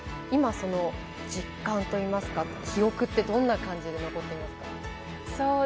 今その実感といいますか記憶ってどんな感じで残ってますか。